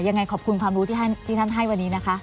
ยังไงขอบคุณความรู้ที่ท่านให้วันนี้นะคะ